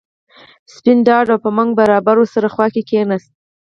سپین دادا او په منګ برابر ور سره خوا کې کېناست.